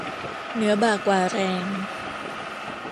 เหลือบ่ากว่าแรง